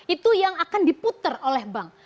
itu yang akan diputar oleh bank